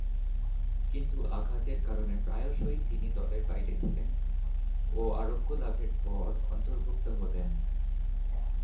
কিন্তু আঘাতের কারণে প্রায়শঃই তিনি দলের বাইরে ছিলেন ও আরোগ্য লাভের পর অন্তর্ভুক্ত হতেন।